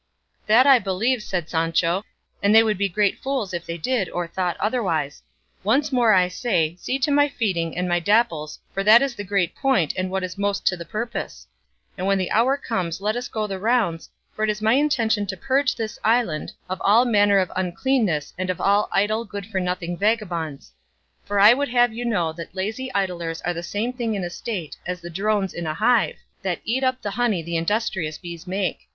"That I believe," said Sancho; "and they would be great fools if they did or thought otherwise; once more I say, see to my feeding and my Dapple's for that is the great point and what is most to the purpose; and when the hour comes let us go the rounds, for it is my intention to purge this island of all manner of uncleanness and of all idle good for nothing vagabonds; for I would have you know that lazy idlers are the same thing in a State as the drones in a hive, that eat up the honey the industrious bees make.